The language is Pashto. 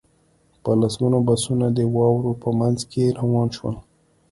په لسګونه بسونه د واورو په منځ کې روان شول